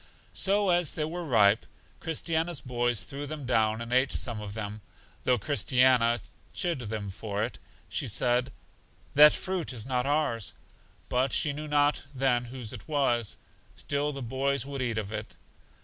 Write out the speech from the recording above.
So as they were ripe, Christiana's boys threw them down and ate some of them; though Christiana chid them for it, and said, That fruit is not ours. But she knew not then whose it was. Still the boys would eat of it.